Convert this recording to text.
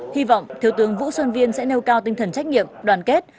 hy vọng thiếu tướng vũ xuân viên sẽ nêu cao tinh thần trách nhiệm đoàn kết